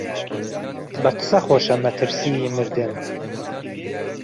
بە قسە خۆشە مەترسیی مردن